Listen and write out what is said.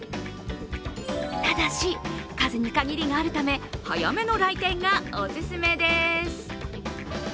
ただし、数に限りがあるため早めの来店がおすすめです。